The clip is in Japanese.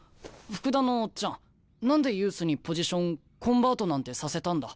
福田のオッチャン何でユースにポジションコンバートなんてさせたんだ？